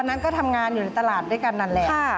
นั้นก็ทำงานอยู่ในตลาดด้วยกันนั่นแหละ